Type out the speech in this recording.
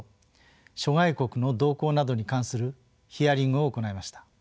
諸外国の動向などに関するヒアリングを行いました。